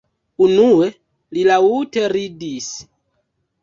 Unue, li laŭte ridis.